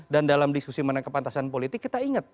dan dalam diskusi mengenai kepantasan politik kita ingat